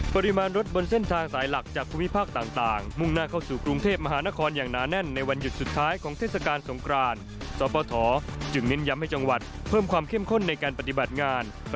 ติดตามจากรายงานครับ